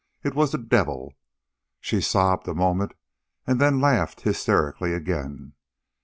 "It was the devil." She sobbed a moment, and then laughed hysterically again.